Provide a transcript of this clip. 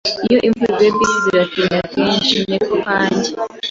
Iyo imvura iguye, bisi ziratinda kenshi. (NekoKanjya)